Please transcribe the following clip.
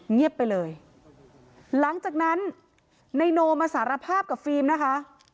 เงียบไปเลยหลังจากนั้นนายโนมาสารภาพกับฟิล์มนะคะ